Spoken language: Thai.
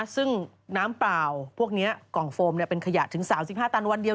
ซึ่งน้ำเปล่าพวกนี้กล่องโฟมเป็นขยะถึง๓๕ตันวันเดียว